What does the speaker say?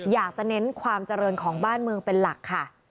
อยากจะเน้นความเจริญของบ้านเมืองเป็นหลักค่ะ